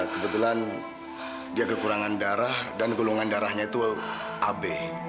kebetulan dia kekurangan darah dan golongan darahnya itu ab